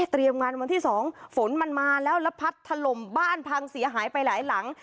งานวันที่๒ฝนมันมาแล้วแล้วพัดถล่มบ้านพังเสียหายไปหลายหลัง